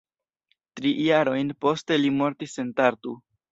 Tri jarojn poste li mortis en Tartu.